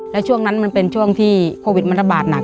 แล้วช่วงนั้นมันเป็นช่วงที่โควิดมันระบาดหนัก